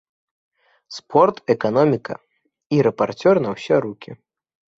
Спорт, эканоміка і рэпарцёр на ўсе рукі.